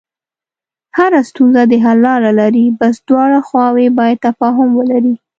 هره ستونزه د حل لاره لري، بس دواړه خواوې باید تفاهم ولري.